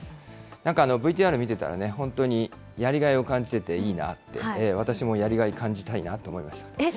なんか、ＶＴＲ見てたらね、本当にやりがいを感じてていいなって、私もやりがい感じたいなと思いまえっ？